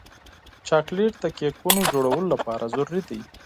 چاکلېټ د کیکونو جوړولو لپاره ضروري دی.